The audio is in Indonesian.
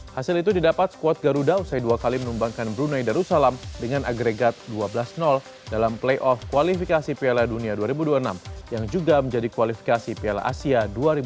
hasil itu didapat squad garuda usai dua kali menumbangkan brunei darussalam dengan agregat dua belas dalam playoff kualifikasi piala dunia dua ribu dua puluh enam yang juga menjadi kualifikasi piala asia dua ribu dua puluh